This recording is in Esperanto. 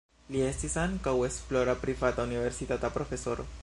Li estis ankaŭ esplora privata universitata profesoro.